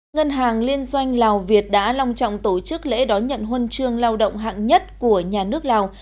ngân hàng liên doanh lào việt đã long trọng tổ chức lễ đón nhận huân chương lao động hạng nhất của nhà nước lào